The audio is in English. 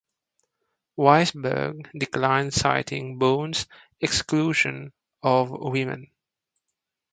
Weisberg declined, citing Bones' exclusion of women.